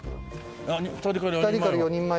２人から４人前。